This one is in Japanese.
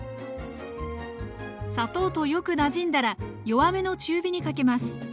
砂糖とよくなじんだら弱めの中火にかけます。